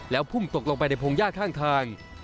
แล้วพุ่งตกลงไปในพงหญ้าข้างทาง